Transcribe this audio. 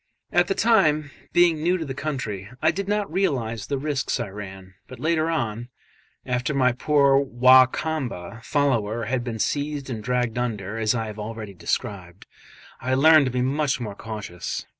At the time, being new to the country, I did not realise the risks I ran; but later on after my poor Wa Kamba follower had been seized and dragged under, as I have already described I learned to be much more cautious.